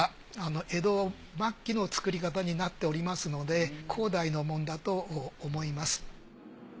江戸末期の作り方になっておりますので後代のものだと思います。